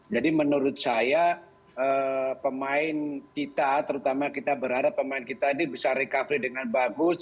jadi menurut saya pemain kita terutama kita berharap pemain kita ini bisa recovery dengan bagus